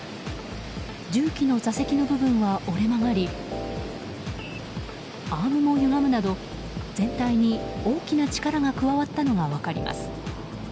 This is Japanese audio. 重機の座席の部分は折れ曲がりアームもゆがむなど全体に大きな力が加わったのが分かります。